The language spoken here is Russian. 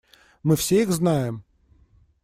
Мы все их знаем.